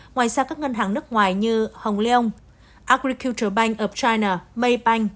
ngoài ra các ngân hàng nước ngoài như hồng leong agriculture bank of china maybank